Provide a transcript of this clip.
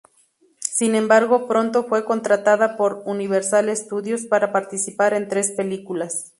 Sin embargo, pronto fue contratada por Universal Studios para participar en tres películas.